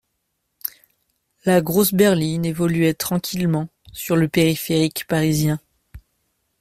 La grosse berline évoluait tranquillement sur le périphérique parisien